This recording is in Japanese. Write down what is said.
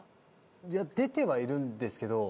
いや出てはいるんですけど。